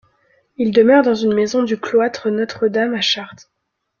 Il demeure dans une maison du cloître Notre-Dame à Chartres.